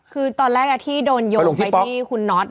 คือตอนแรกที่โดนโยงไปที่คุณน็อต